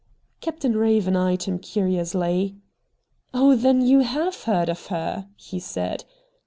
Captain Eaven eyed him curiously. ' Oh, then you have heard of her.' he said.